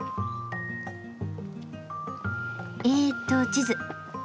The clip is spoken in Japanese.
えっと地図。